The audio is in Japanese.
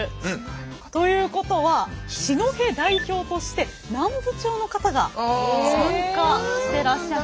ということは四戸代表として南部町の方が参加してらっしゃる。